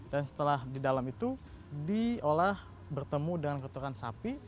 dan setelah di dalam itu diolah bertemu dengan kotoran sapi